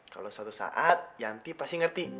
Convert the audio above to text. kalau suatu saat yanti pasti ngerti